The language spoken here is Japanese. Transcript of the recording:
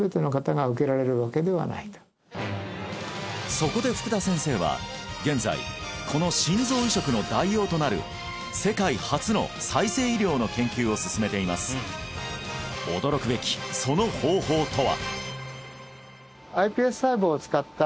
そこで福田先生は現在この心臓移植の代用となるを進めています驚くべきその方法とは？